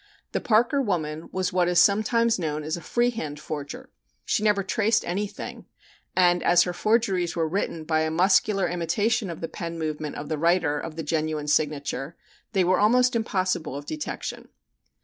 The Parker woman was what is sometimes known as a "free hand" forger; she never traced anything, and as her forgeries were written by a muscular imitation of the pen movement of the writer of the genuine signature they were almost impossible of detection.